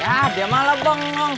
ya diam malem dong